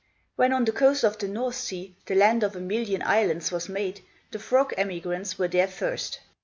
When on the coast of the North Sea, the Land of a Million Islands was made, the frog emigrants were there first.